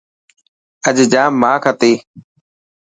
اڄ ڄام ماک هتي.